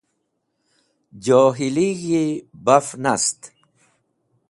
Johilig̃hi baf nast.